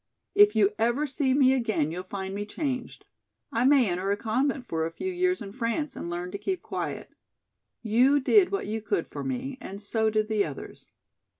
If you ever see me again you'll find me changed. I may enter a convent for a few years in France and learn to keep quiet. You did what you could for me, and so did the others.